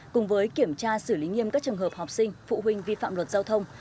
cùng với kiểm tra xử lý nghiêm các trường hợp học sinh phụ huynh vi phạm luật giao thông